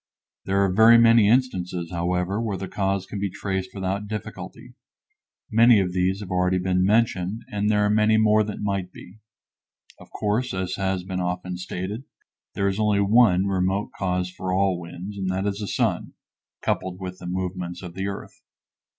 There are very many instances, however, where the cause can be traced without difficulty; many of these have already been mentioned and there are many more that might be. Of course, as has been often stated, there is only one remote cause for all winds, and that is the sun, coupled with the movements of the earth.